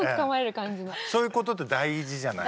そういうことって大事じゃない？